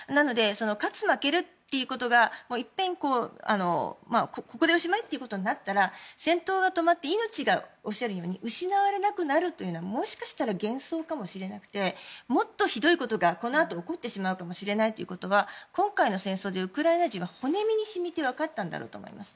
勝つ負けるということがいっぺん、ここでおしまいということになったら戦闘が止まって命が失われなくなるということはもしかしたら幻想かもしなくてもっとひどいことがこのあと起こってしまうかもしれないということは今回の戦争でウクライナ人は骨身にしみて分かったんだろうと思います。